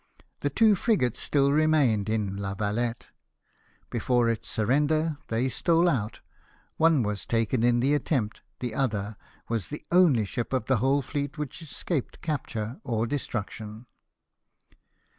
" The two frigates still remained in La Valette ; before its surrender they stole out ; one was taken in the attempt, the other was the only ship of the whole fleet which escaped capture or destruction.